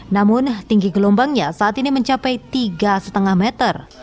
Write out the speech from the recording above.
namun tinggi gelombangnya saat ini mencapai tiga lima meter